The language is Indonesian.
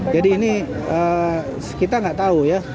jadi ini kita gak tahu ya